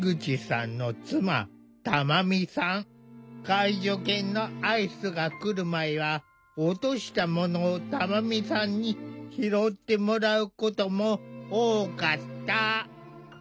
介助犬のアイスが来る前は落としたものを珠美さんに拾ってもらうことも多かった。